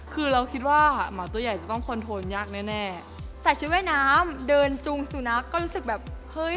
คือเราคิดว่าหมาตัวใหญ่จะต้องคอนโทนยากแน่แน่ใส่ชุดว่ายน้ำเดินจูงสุนัขก็รู้สึกแบบเฮ้ย